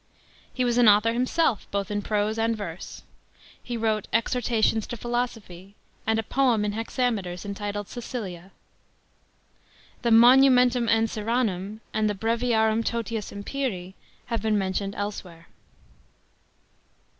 He was an author hims> If both in prose and verse. He wrote " Exhortations to Philosophy ;" and a poem in hexameters, entitled " Sicilia." The Monumentum Ancyranum and the Breviarium totius imperil have been mrntioned else where.